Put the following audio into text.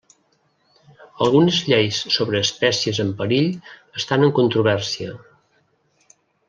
Algunes lleis sobre espècies en perill estan en controvèrsia.